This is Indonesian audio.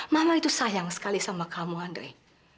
malah itu sayang sekali sama kamu andre